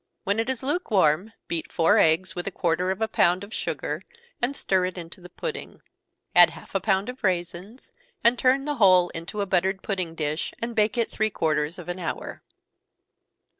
When it is lukewarm, beat four eggs with a quarter of a pound of sugar, and stir it into the pudding add half a pound of raisins, and turn the whole into a buttered pudding dish, and bake it three quarters of an hour.